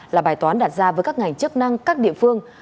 là bài toán đặt ra với các ngành chức năng các địa phương